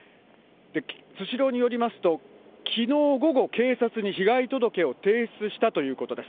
スシローによりますと、きのう午後、警察に被害届を提出したということです。